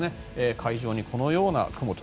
海上にこのような雲と。